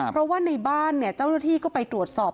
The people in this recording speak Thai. เพราะว่าในบ้านเนี่ยเจ้าหน้าที่ก็ไปตรวจสอบ